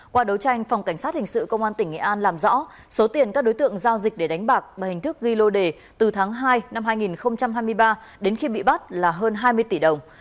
qua đấu tranh phòng cảnh sát hình sự công an tỉnh nghệ an làm rõ số tiền các đối tượng giao dịch để đánh bạc bằng hình thức ghi lô đề từ tháng hai năm hai nghìn hai mươi ba đến khi bị bắt là hơn hai mươi tỷ đồng